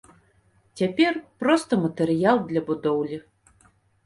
Цяпер проста матэрыял для будоўлі.